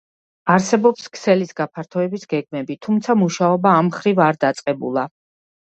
არსებობს ქსელის გაფართოების გეგმები, თუმცა, მუშაობა ამმხრივ არ დაწყებულა.